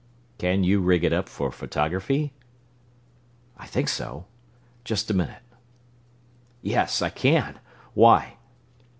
"Can you rig it up for photography?" "I think so. Just a minute yes, I can. Why?"